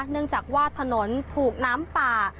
เนื่องจากว่าถนนถูกน้ำป่า